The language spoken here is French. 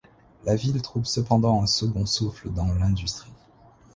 La ville trouve cependant un second souffle dans l’industrie.